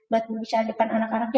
buat berbicara depan anak anaknya